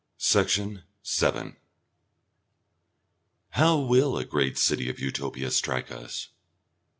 Section 7 How will a great city of Utopia strike us?